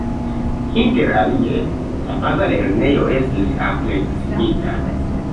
Inter alie, la baza lernejo estis ampleksigita.